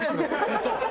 えっと